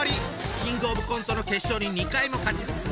キングオブコントの決勝に２回も勝ち進んだ実力者！